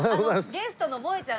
ゲストのもえちゃん。